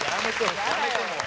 やめてもう。